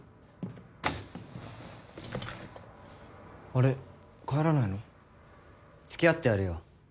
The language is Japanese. あれっ？帰らないの？付き合ってやるよ。